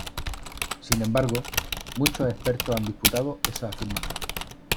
Sin embargo, muchos expertos han disputado esa afirmación.